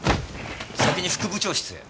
先に副部長室へ。